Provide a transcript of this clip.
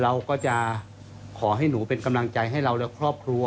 เราก็จะขอให้หนูเป็นกำลังใจให้เราและครอบครัว